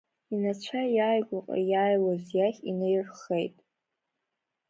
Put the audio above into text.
Инацәа иааигәаҟа иааиуаз иахь инаирххеит.